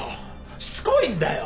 しつこいんだよ。